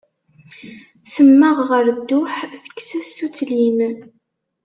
Temmeɣ ɣer dduḥ, tekkes-as tutlin.